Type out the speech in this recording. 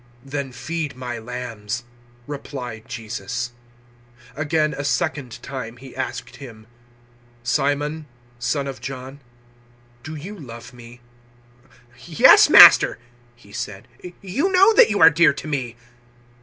"Then feed my lambs," replied Jesus. 021:016 Again a second time He asked him, "Simon, son of John, do you love me?" "Yes, Master," he said, "you know that you are dear to me."